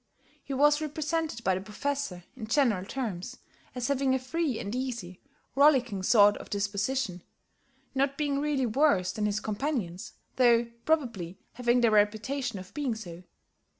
He was represented by the Professor, in general terms, as having a free and easy, rollicking sort of disposition not being really worse than his companions, though probably having the reputation of being so.